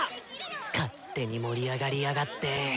勝手に盛り上がりやがって！